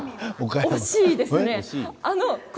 惜しいです。